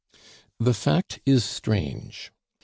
The fact is strange.